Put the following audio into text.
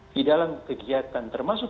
di dalam kegiatan termasuk